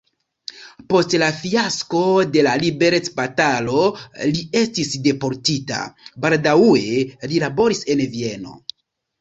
Post la fiasko de la liberecbatalo li estis deportita, baldaŭe li laboris en Vieno.